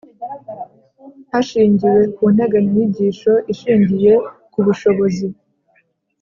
hashingiwe ku nteganyanyigisho ishingiye ku bushobozi